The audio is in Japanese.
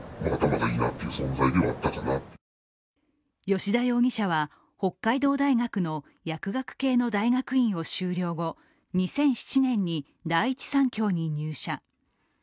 吉田容疑者は北海道大学の薬学系の大学院を修了後２００７年に、第一三共に入社。